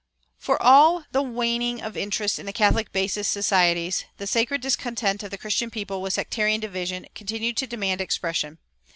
For all the waning of interest in the "catholic basis" societies, the sacred discontent of the Christian people with sectarian division continued to demand expression.